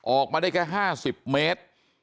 ออกมาได้แค่๕๐เมตร